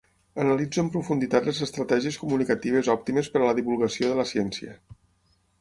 Analitze en profunditat les estratègies comunicatives òptimes per a la divulgació de la ciència.